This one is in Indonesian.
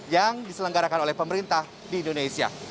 yang diselenggarakan oleh pemerintah di indonesia